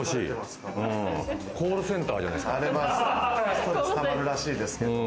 コールセンターじゃないですか。